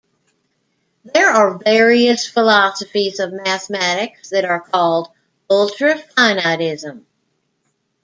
There are various philosophies of mathematics that are called ultrafinitism.